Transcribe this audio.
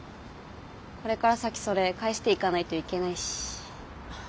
これから先それ返していかないといけないし。